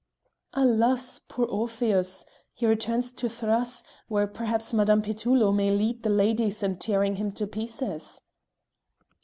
"Alas, poor Orpheus! he returns to Thrace, where perhaps Madame Petullo may lead the ladies in tearing him to pieces!"